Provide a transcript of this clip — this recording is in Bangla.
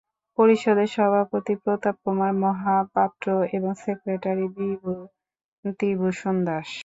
পরিষদের সভাপতি প্রতাপ কুমার মহাপাত্র এবং সেক্রেটারি বিভূতিভূষণ দাস।